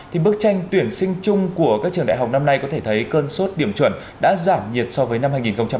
thì bức tranh tuyển sinh chung của các trường đại học năm nay có thể thấy cơn sốt điểm chuẩn đã giảm nhiệt so với năm hai nghìn một mươi tám